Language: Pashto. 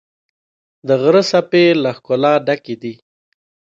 د غره څپې له ښکلا ډکې دي.